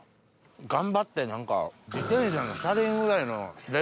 頑張って何か。